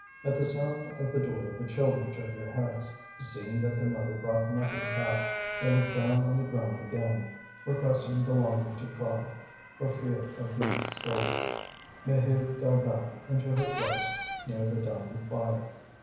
At the sound of the door the children turned their heads; but seeing that their mother brought nothing back, they looked down on the ground again, repressing the longing to cry, for fear of being scolded. Maheude fell back into her place near the dying fire.